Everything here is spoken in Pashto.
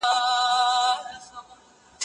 د بیوزلو کسانو مرسته څنګه کیږي؟